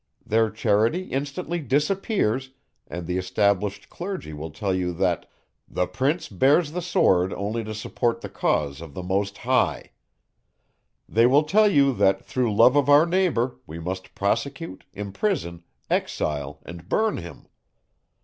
Their charity instantly disappears, and the established clergy will tell you, that the prince bears the sword only to support the cause of the Most High: they will tell you that, through love for our neighbour, we must prosecute, imprison, exile, and burn him.